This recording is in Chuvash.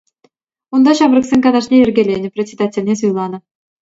Унта ҫамрӑксен канашне йӗркеленӗ, председательне суйланӑ.